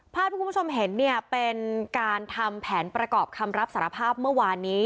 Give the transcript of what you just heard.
ภาพที่คุณผู้ชมเห็นเนี่ยเป็นการทำแผนประกอบคำรับสารภาพเมื่อวานนี้